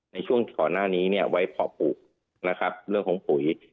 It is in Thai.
ในช่วงขอหน้านี้ไว้พอปลูกเรื่องของปุ๋ย